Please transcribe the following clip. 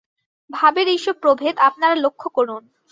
ভাবের এইসব প্রভেদ আপনারা লক্ষ্য করুন।